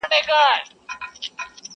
یو له بله سره بېل سو په کلونو،